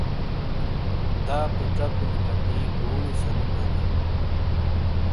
داپے چکونی کٹی گونی سنیلانے۔۔